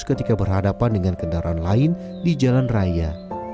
ketika berhadapan dengan kendaraan lain di jalan raya